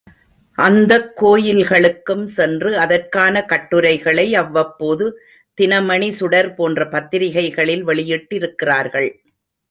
அந்தக் கோயில்களுக்கும் சென்று, அதற்கான கட்டுரைகளை அவ்வப்போது, தினமணி சுடர் போன்ற பத்திரிகைகளில் வெளியிட்டிருக்கிறார்கள்.